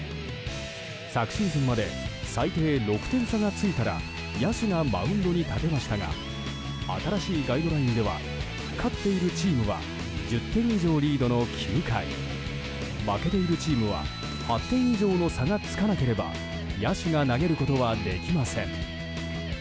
昨シーズンまで最低６点差がついたら野手がマウンドに立てましたが新しいガイドラインでは勝っているチームは１０点以上リードの９回負けているチームは８点以上の差がつかなければ野手が投げることはできません。